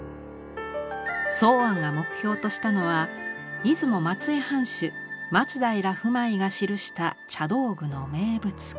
箒庵が目標としたのは出雲松江藩主松平不昧が記した茶道具の名物記。